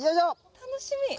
楽しみ。